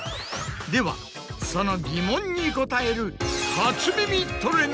ではその疑問に答える。